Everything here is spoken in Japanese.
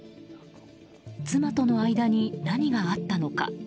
妻との間に何があったのか。